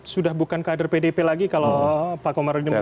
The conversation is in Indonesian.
sudah bukan kader pdip lagi kalau pak komarudin mengatakan